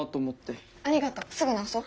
ありがとうすぐ直そう！